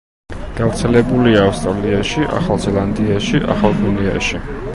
გავრცელებულია ავსტრალიაში, ახალ ზელანდიაში, ახალ გვინეაში.